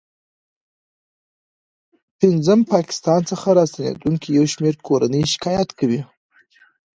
ه پاکستان څخه راستنېدونکې یو شمېر کورنۍ شکایت کوي